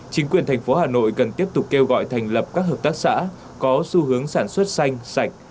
chính quyền thành phố hà nội cần tiếp tục kêu gọi thành lập các hợp tác xã có xu hướng sản xuất xanh sạch